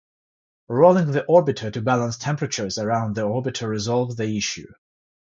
Rolling the orbiter to balance temperatures around the orbiter resolved the issue.